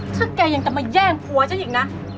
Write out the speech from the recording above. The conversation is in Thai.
ถ้าแกยังจะมาแย่งผัวฉันอีกนะ